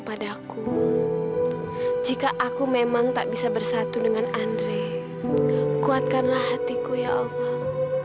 padaku jika aku memang tak bisa bersatu dengan andre kuatkanlah hatiku ya allah